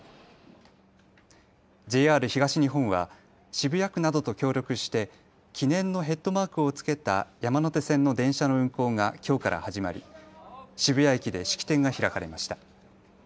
ＪＲ東日本は渋谷区などと協力して記念のヘッドマークを付けた山手線の電車が運行がきょうから始まり、渋谷駅で式典が開かれました。